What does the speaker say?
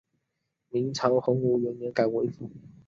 明朝洪武元年改为府。